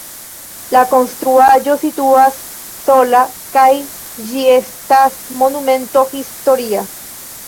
La konstruaĵo situas sola kaj ĝi estas Monumento historia.